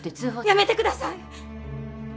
やめてください！